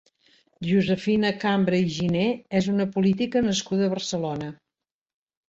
Josefina Cambra i Giné és una política nascuda a Barcelona.